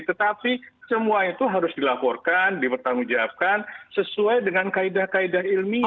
tetapi semua itu harus dilaporkan dipertanggungjawabkan sesuai dengan kaedah kaedah ilmiah